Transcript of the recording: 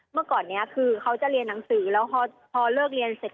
เมื่อก่อนนี้คือเขาจะเรียนหนังสือแล้วพอเลิกเรียนเสร็จ